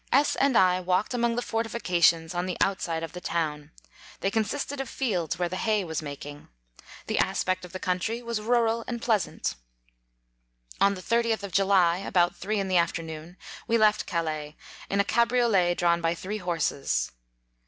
S and I walke4 among the fortifi cations on the outside of the town ; they consisted of fields where the hay was making. The aspect of the coun try was rural and pleasant. On the 30th of July, about three in the afternoon, we left Calais, in 3 ca briolet drawn by three horses.